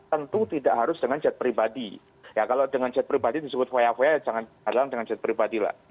tentu tidak harus dengan jet pribadi ya kalau dengan jet pribadi disebut via va jangan dengan jet pribadi lah